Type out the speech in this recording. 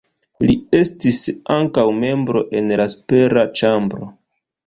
Li estis ankaŭ membro en la supera ĉambro.